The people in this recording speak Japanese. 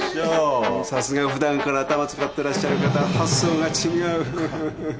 さすが普段から頭使ってらっしゃる方は発想が違う。